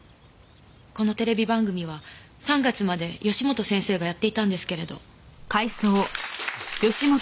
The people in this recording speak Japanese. このテレビ番組は３月まで義本先生がやっていたんですけれど。